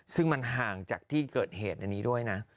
ซึ่งมันห่างจากที่เกิดเหตุอันนี้ด้วยนะ